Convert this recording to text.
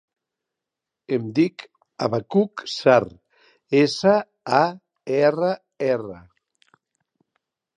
Em dic Abacuc Sarr: essa, a, erra, erra.